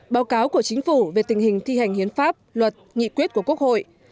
báo cáo của chính phủ về tình hình thi hành hiến pháp luật nghị quyết của quốc hội